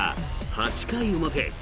８回表。